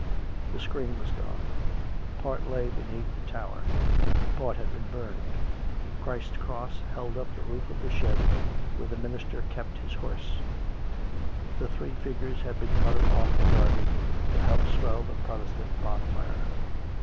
The screen was gone; part lay beneath the tower; part had been burned; Christ's Cross held up the roof of the shed where the minister kept his horse; the three figures had been carted off to Derby to help swell the Protestant bonfire. 84 COME BACK! COME ROPE!